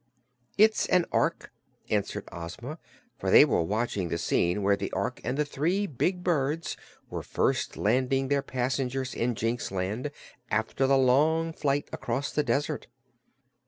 "It is an Ork," answered Ozma, for they were watching the scene where the Ork and the three big birds were first landing their passengers in Jinxland after the long flight across the desert.